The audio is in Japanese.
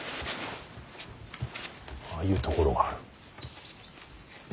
ああいうところがある。